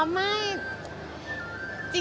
อ๋อไม่